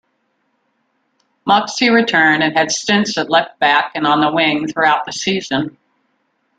Moxey returned and had stints at left-back and on the wing throughout the season.